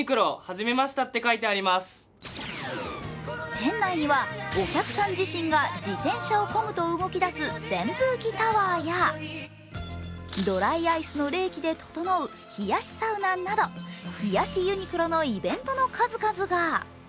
店内にはお客さん自身が自転車を漕ぐと動き出す扇風機タワーやドライアイスの冷気でととのう冷やしサウナなど冷やしユニクロのイベントの数々が。